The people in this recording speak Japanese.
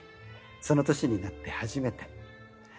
その年になって初めて。